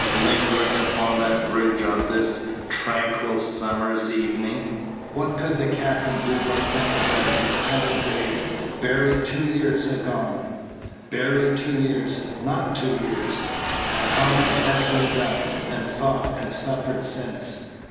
Lingering upon that bridge on this tranquil summer's evening, what could the captain do but think of that September day, barely two years agone? Barely two years! not two years! And how much had been done, and thought, and suffered since!